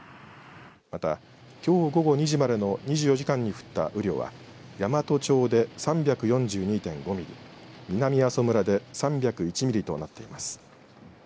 また、きょう午後２時までの２４時間に降った雨量は山都町で３４２．５ミリ南阿蘇村で３０１ミリとなっています。